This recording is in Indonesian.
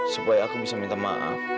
supaya aku bisa minta maaf